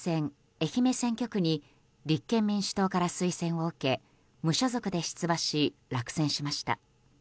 愛媛選挙区に立憲民主党から推薦を受け無所属で出馬し、落選しました。